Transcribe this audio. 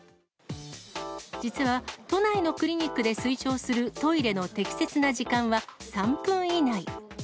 実は、都内のクリニックで推奨するトイレの適切な時間は３分以内。